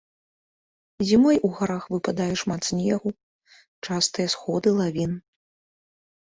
Зімой у гарах выпадае шмат снегу, частыя сходы лавін.